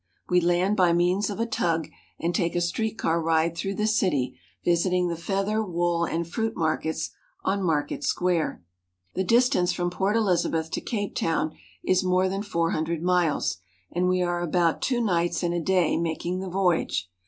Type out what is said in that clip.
We land by means of a tug and take a street car ride through the city, visiting the feather, wool, and fruit markets on market square. The distance from Port Elizabeth to Cape Town is more than four hundred miles, and we are about two nights and a day making the voyage.